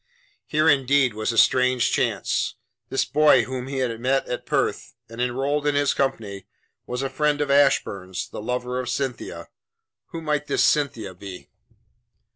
Here indeed was a strange chance! This boy whom he had met at Perth, and enrolled in his company, was a friend of Ashburn's the lover of Cynthia. Who might this Cynthia be?